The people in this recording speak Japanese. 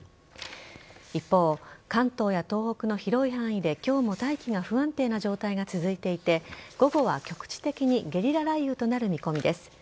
一方、関東や東北の広い範囲で今日も大気が不安定な状態が続いていて午後は局地的にゲリラ雷雨となる見込みです。